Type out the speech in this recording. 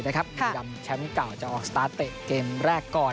บุรีรำแชมป์เก่าจะออกสตาร์ทเตะเกมแรกก่อน